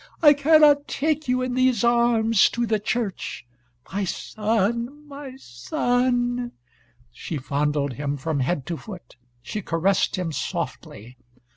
I cannot take you in these arms to the church! My son! My son!" She fondled him from head to foot, she caressed him softly.